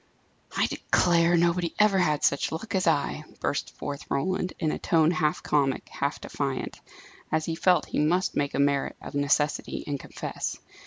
"I declare nobody ever had such luck as I," burst forth Roland, in a tone half comic, half defiant, as he felt he must make a merit of necessity, and confess.